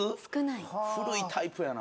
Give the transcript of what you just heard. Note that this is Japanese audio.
古いタイプやな。